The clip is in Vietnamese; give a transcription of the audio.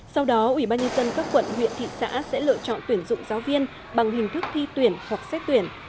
sau đó ubnd các quận huyện thị xã sẽ lựa chọn tuyển dụng giáo viên bằng hình thức thi tuyển hoặc xét tuyển